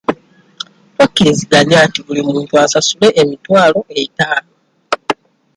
Twakkirizigannya nti buli muntu asasule emitwalo ataano.